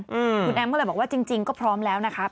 คุณแอมตอบเลยบอกว่าจริงก็พร้อมแล้วนะครับ